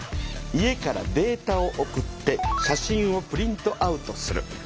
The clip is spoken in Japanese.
家からデータを送って写真をプリントアウトする。